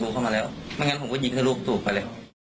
เพราะงั้นผมก็ยิงทั้งลูกสูงไปเลย